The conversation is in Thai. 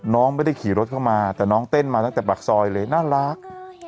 น้องไม่ได้ขี่รถเข้ามาแต่น้องเต้นมาตั้งแต่ปากซอยเลยน่ารัก